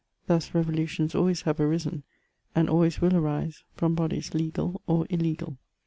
Thus, revolutions always have arisen, and always will arise from bodies legal or illegal.